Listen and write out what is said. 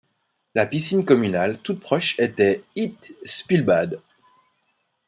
La piscine communale toute proche était ‘Het Spillebad’.